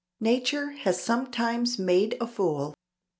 "Nature has sometimes made a fool."